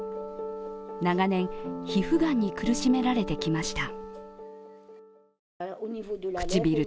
長年、皮膚がんに苦しめられてきました。